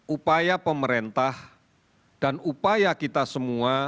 upaya pemerintah dan upaya kita semua